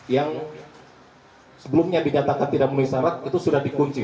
yang sebelumnya dinyatakan tidak menisarat itu sudah dikunci